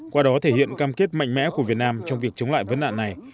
qua đó thể hiện cam kết mạnh mẽ của việt nam trong việc chống lại vấn nạn này